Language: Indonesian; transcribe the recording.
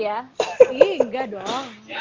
iya enggak dong